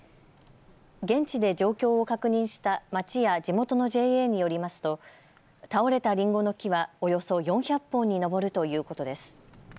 現地で状況を確認した町や地元のＪＡによりますと、倒れたりんごの木はおよそ４００本に上るということです。